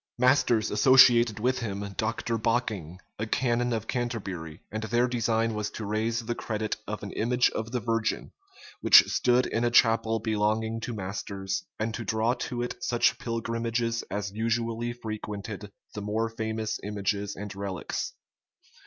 Masters associated with him Dr. Bocking, a canon of Canterbury; and their design was to raise the credit of an image of the Virgin which stood in a chapel belonging to Masters, and to draw to it such pilgrimages as usually frequented the more famous images and relics.